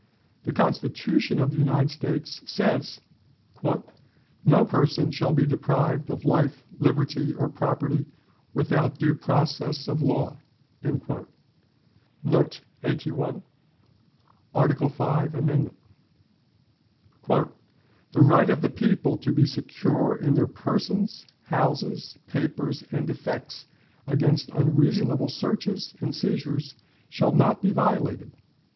The Constitution of the United States says: "No person shall be deprived of life, liberty, or property, without due process of law." "The right of the people to be secure in their persons, houses, papers, and effects, against unreasonable searches and seizures, shall not be violated."